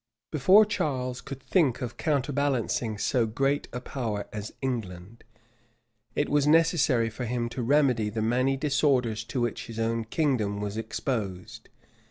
Before Charles could think of counterbalancing so great a power as England, it was necessary for him to remedy the many disorders to which his own kingdom was exposed.